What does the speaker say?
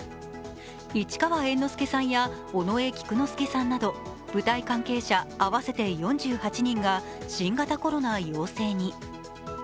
市川猿之助さんや尾上菊之助さんなど舞台関係者合わせて４８人が新型コロナ陽性に。